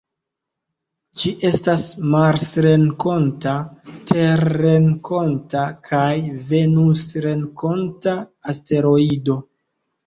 Ĝi estas marsrenkonta, terrenkonta kaj venusrenkonta asteroido.